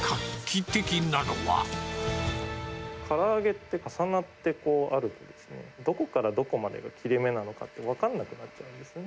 から揚げって重なってあると、どこからどこまでが切れ目なのかって分かんなくなっちゃうんです